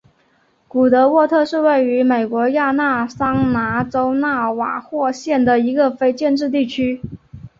古德沃特是位于美国亚利桑那州纳瓦霍县的一个非建制地区。